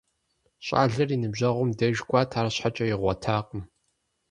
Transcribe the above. ЩӀалэр и ныбжьэгъум деж кӀуат, арщхьэкӀэ игъуэтакъым.